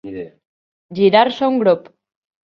Girar-se un grop.